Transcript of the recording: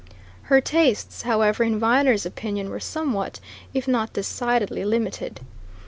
Her tastes, however, in Viner's opinion were somewhat, if not decidedly, limited.